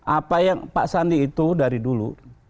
apa yang pak sandi itu dari dulu